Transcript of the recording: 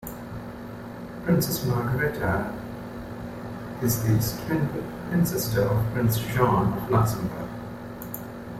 Princess Margaretha is the twin sister of Prince Jean of Luxembourg.